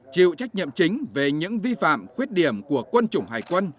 chịu trách nhiệm chính về những vi phạm khuyết điểm của quân chủng hải quân